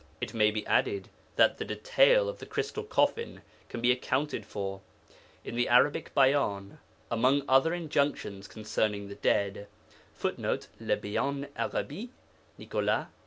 It may be added that the detail of the crystal coffin can be accounted for. In the Arabic Bayan, among other injunctions concerning the dead, [Footnote: Le Beyan Arabi (Nicolas), p.